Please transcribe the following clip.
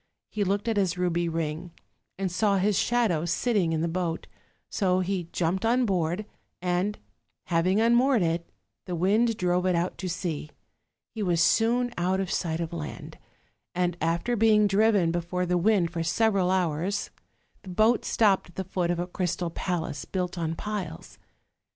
He looked at his ruby ring, and saw his shadow sitting in the boat; so he jumped on board; and having unmoored it, the wind drove it out to sea: he was soon out of sight of land, and after being driven before the wind for several hours, the boat stopped at the foot of a crystal castle, built on piles.